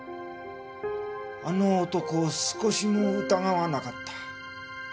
あの男を少しも疑わなかった。